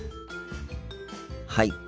はい。